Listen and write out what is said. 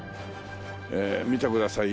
見てくださいよ